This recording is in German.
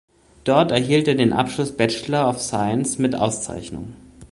Dort erhielt er den Abschluss Bachelor of Science mit Auszeichnung.